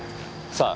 さあ。